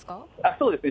そうですね。